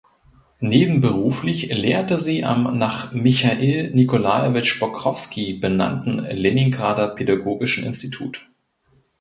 Nebenberuflich lehrte sie am nach Michail Nikolajewitsch Pokrowski benannten Leningrader Pädagogischen Institut.